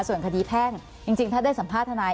ส่วนคดีแพ่งจริงถ้าได้สัมภาษณาย